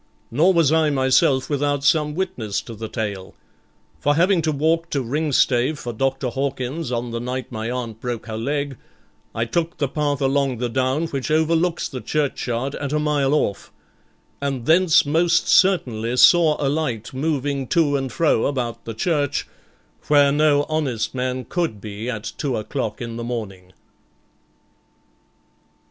Nor was I myself without some witness to the tale, for having to walk to Ringstave for Dr. Hawkins on the night my aunt broke her leg, I took the path along the down which overlooks the churchyard at a mile off; and thence most certainly saw a light moving to and fro about the church, where no honest man could be at two o'clock in the morning.